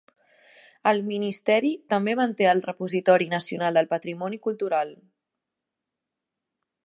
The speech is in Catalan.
El ministeri també manté el Repositori Nacional del Patrimoni Cultural.